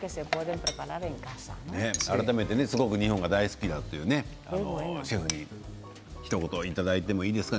改めてすごく日本が大好きだというシェフにひと言いただいてもいいですか？